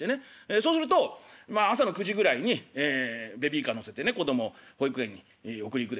そうするとまあ朝の９時ぐらいにベビーカー乗せてね子供を保育園に送り行くでしょ？